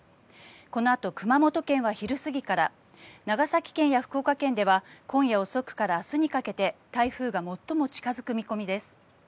このあと熊本県は昼過ぎから長崎県や福岡県では今夜遅くから明日にかけて台風が最も近付く見込みです。